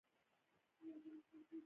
د تورو پاکول ژبه نه بډای کوي.